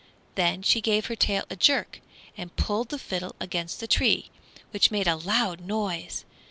Then she gave her tail a jerk and pulled the fiddle against the tree, which made a loud noise.